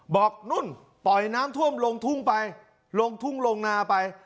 บอกนุ่นปล่อยน้ำท่วมลงทุ่งไปลงทุ่งลงนาไป